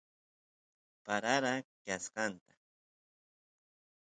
parara kaskanta